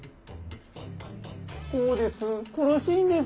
こうです。